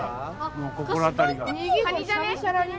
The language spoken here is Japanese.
もう心当たりが？